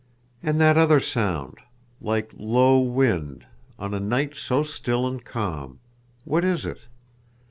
"And that other sound, like low wind—on a night so still and calm! What is it?"